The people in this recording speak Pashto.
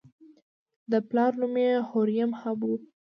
د پلار نوم یې هوریم هب و.